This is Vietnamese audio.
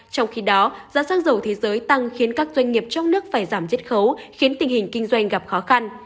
trong khi đó giá xăng dầu thế giới tăng khiến các doanh nghiệp trong nước phải giảm rất khấu khiến tình hình kinh doanh gặp khó khăn